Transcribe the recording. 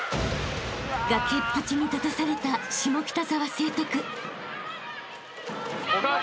［崖っぷちに立たされた下北沢成徳］